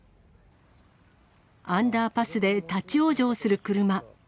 アンダーパスで立往生する車。